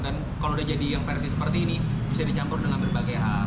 dan kalau udah jadi versi seperti ini bisa dicampur dengan berbagai hal